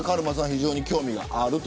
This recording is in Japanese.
非常に興味があると。